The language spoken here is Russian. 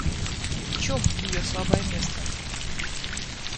В чем ее слабое место?